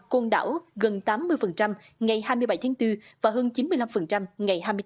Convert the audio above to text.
côn đảo gần tám mươi ngày hai mươi bảy tháng bốn và hơn chín mươi năm ngày hai mươi bốn